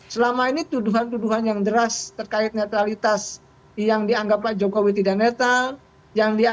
selama ini tuduhan tuduhan yang deras terkait netralitas yang dianggap pak jokowi tidak netral